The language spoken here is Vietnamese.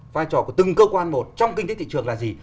vai trò của từng cơ quan một trong kinh tế thị trường là gì